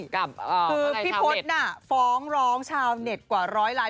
คือพี่พศฟ้องร้องชาวเน็ตกว่าร้อยลาย